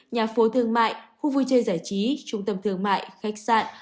nhà phố thương mại khu vui chơi giải trí trung tâm thương mại khách sạn